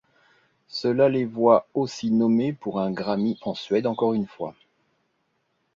Cela les voit aussi nommé pour un Grammy en Suède encore une fois.